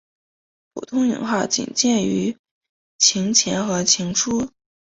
普通勇号仅见于清前和清初。